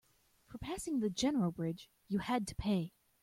For passing the general bridge, you had to pay.